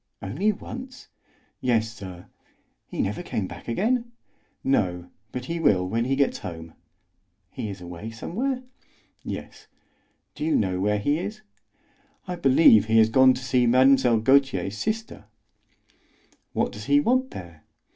"Only once?" "Yes, sir." "He never came back again?" "No, but he will when he gets home." "He is away somewhere?" "Yes." "Do you know where he is?" "I believe he has gone to see Mlle. Gautier's sister." "What does he want there?"